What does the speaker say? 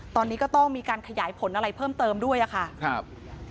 ตอนนี้ก็ต้องมีการขยายผลอะไรเพิ่มเติมด้วยอะค่ะครับ